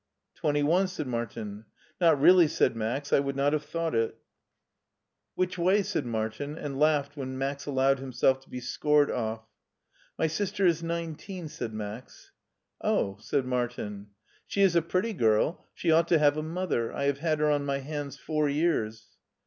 Twenty one," said Martin. Not really," said Max, " I would not have thought it" *4 it it 46 MARTIN SCHOLER "Which way?" said Martin, and laughed when Max allowed himself to be scored off. " My sister is nineteen," said Max. "Oh! "said Martin. " She is a pretty girl ; she ought to have a mother. I have had her on my hands four years."